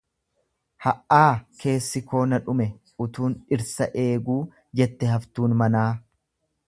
"""Ha'aa keessi koo na dhume utuun dhirsa eeguu"" jette haftuun manaa."